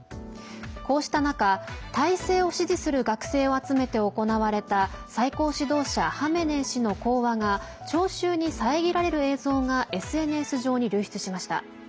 こうした中、体制を支持する学生を集めて行われた最高指導者ハメネイ師の講話が聴衆に遮られる映像がＳＮＳ上に流出しました。